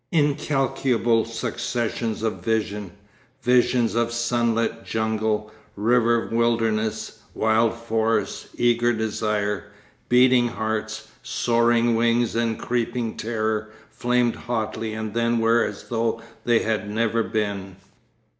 Incalculable successions of vision, visions of sunlit jungle, river wilderness, wild forest, eager desire, beating hearts, soaring wings and creeping terror flamed hotly and then were as though they had never been.